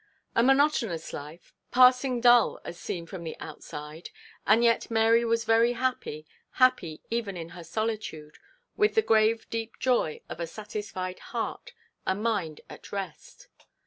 A monotonous life passing dull as seen from the outside and yet Mary was very happy, happy even in her solitude, with the grave deep joy of a satisfied heart, a mind at rest.